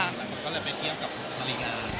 แล้วเขาก็ไปเที่ยวกับมาริยา